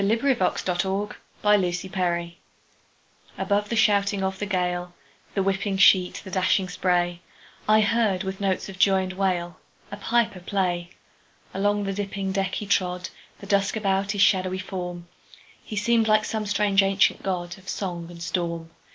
Clinton Scollard Bag Pipes at Sea ABOVE the shouting of the gale, The whipping sheet, the dashing spray,I heard, with notes of joy and wail,A piper play. Along the dipping deck he trod, The dusk about his shadowy form; He seemed like some strange ancient godOf song and storm.